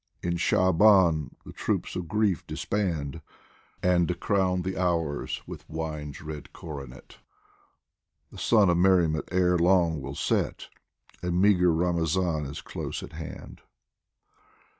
In Sha'aban the troops of Grief disband, And crown the hours with wine's red coronet The sun of merriment ere long will set, And meagre Ramazan is close at hand